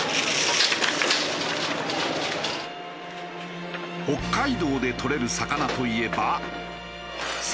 北海道でとれる魚といえば。